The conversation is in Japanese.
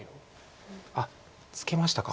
あっツケましたか。